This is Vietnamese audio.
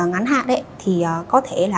ngắn hạn thì có thể là